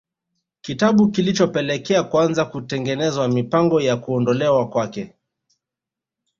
Kitu kilichopelekea kuanza kutengenezwa mipango ya kuondolewa kwake